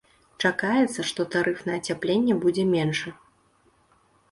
Чакаецца, што тарыф на ацяпленне будзе меншы.